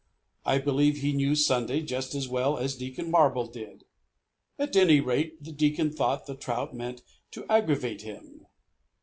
I believe he knew Sunday just as well as Deacon Marble did. At any rate, the Deacon thought the trout meant to aggravate him.